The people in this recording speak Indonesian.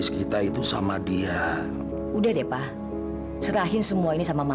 kita masuk mam